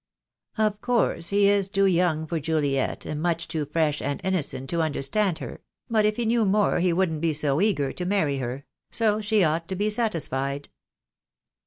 Of course, he is too young for Juliet, and much too fresh and innocent to under stand her; but if he knew more he wouldn't be so eager to marry her — so she ought to be satisfied."